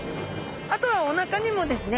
あとはおなかにもですね